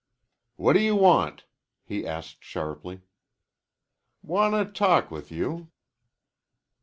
"What do you want?" he asked sharply. "Want a talk with you."